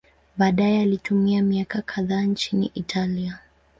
Baadaye alitumia miaka kadhaa nchini Italia.